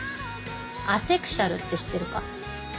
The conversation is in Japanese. アセクシャルって知ってるか？